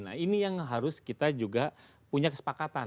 nah ini yang harus kita juga punya kesepakatan